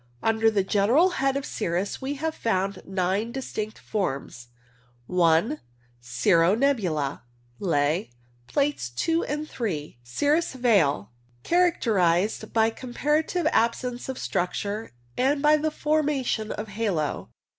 Under the general head of cirrus we have found nine distinct forms — I. Cirro nebula (Ley) (Plates 2 and 3). Cirrus veil. Characterized by comparative absence of struc ture and by the formation of halo.